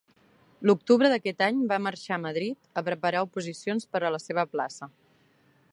L'octubre d'aquest any va marxar a Madrid a preparar oposicions per a la seva plaça.